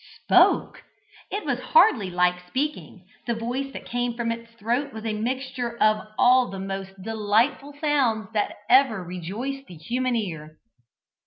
Spoke! it was hardly like speaking: the voice that came from its throat was a mixture of all the most delightful sounds that ever rejoiced the human ear.